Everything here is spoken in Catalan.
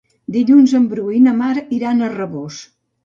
Dilluns en Bru i na Mar iran a Rabós.